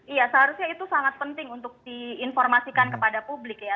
iya seharusnya itu sangat penting untuk diinformasikan kepada publik ya